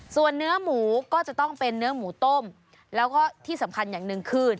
ส่วนเนื้อหมูก็จะต้องเป็นเนื้อหมูต้มแล้วก็ที่สำคัญอย่างหนึ่งคือ